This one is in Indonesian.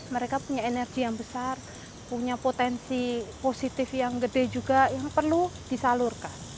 mereka punya energi yang besar punya potensi positif yang gede juga yang perlu disalurkan